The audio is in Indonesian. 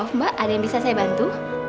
oh mbak ada yang bisa saya bantu